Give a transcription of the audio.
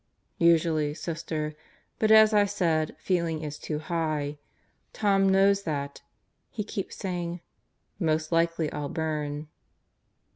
"Usually, Sister. But, as I said, feeling is too high. Tom knows that. He keeps saying: 'Most likely I'll burn.'